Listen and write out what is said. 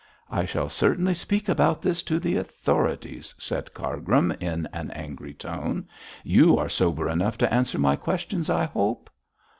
'I shall certainly speak about this to the authorities,' said Cargrim, in an angry tone. 'You are sober enough to answer my questions, I hope?'